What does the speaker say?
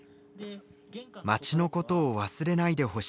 町のことを忘れないでほしい。